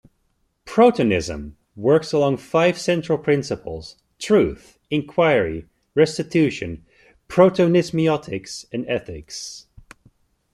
Protonism works along five central principles: truth, inquiry, restitution, protonismiotics, and ethics.